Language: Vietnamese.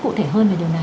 cụ thể hơn về điều này